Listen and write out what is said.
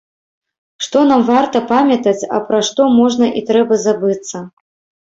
Што нам варта памятаць, а пра што можна і трэба забыцца.